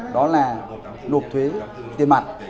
đó là nộp thuế tiền mặt